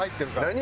何？